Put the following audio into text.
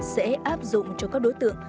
sẽ áp dụng cho các đối tượng